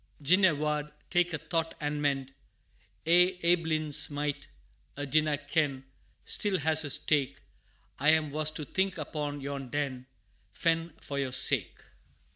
Gin ye wad take a thought and mend, Ye aiblins might I dinna ken Still has a stake I'm was to think upon yon den Fen for your sake."